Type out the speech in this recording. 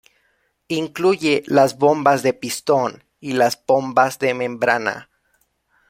Incluye las bombas de pistón y las bombas de membrana.